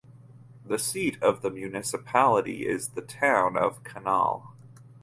The seat of the municipality is the town of Kanal.